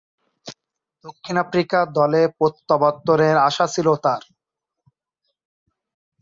দক্ষিণ আফ্রিকা দলে প্রত্যাবর্তনের আশা ছিল তার।